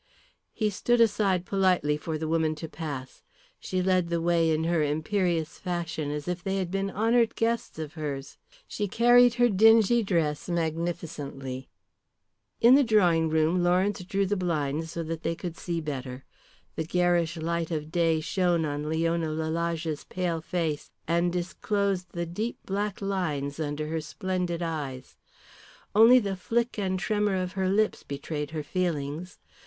He stood aside politely for the woman to pass. She led the way in her imperious fashion as if they had been honoured guests of hers. She carried her dingy dress magnificently. In the drawing room, Lawrence drew the blinds so that they could see better. The garish light of day shone on Leon Lalage's pale face, and disclosed the deep black lines under her splendid eyes. Only the flick and tremor of her lips betrayed her feelings.